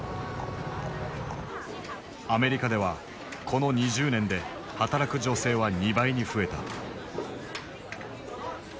アメリカではこの２０年で働く女性は２倍に増えた。